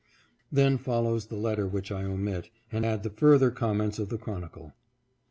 Then follows the letter which I omit, and add the further comments of the Chronicle.